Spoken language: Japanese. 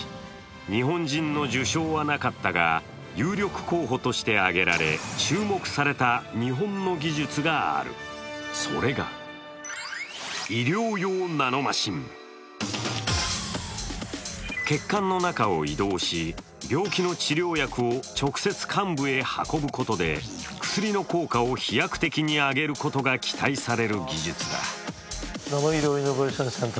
日本人の受賞はなかったが有力候補として挙げられ、注目された日本の技術がある、それが血管の中を移動し、病気の治療薬を直接患部へ運ぶことで薬の効果を飛躍的に上げることが期待される技術だ。